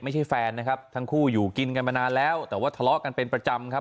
แฟนนะครับทั้งคู่อยู่กินกันมานานแล้วแต่ว่าทะเลาะกันเป็นประจำครับ